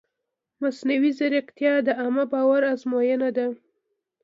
مصنوعي ځیرکتیا د عامه باور ازموینه ده.